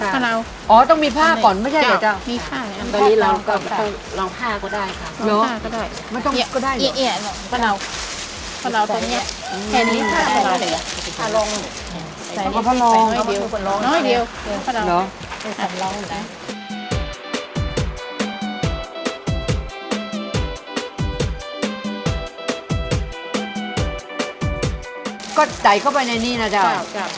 เป็นเมี่ยงเป็นเมี่ยงเป็นใบเมี่ยงของคนเป็นตำรงเนี่ยเจ้า